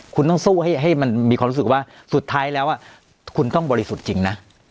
คุณต้องสู้ให้มันมีความรู้สึกว่าสุดท้ายแล้วคุณต้องบริสุทธิ์จริงนะ